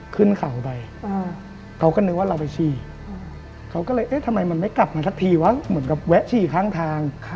ขึ้นเขาไปเขาก็นึกว่าเราไปฉี่เขาก็เลยเอ๊ะทำไมมันไม่กลับมาสักทีวะเหมือนกับแวะฉี่ข้างทาง